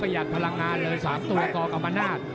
ประหยัดพลังงานเลยสามตัวกรกรรมนาส